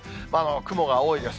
雲が多いです。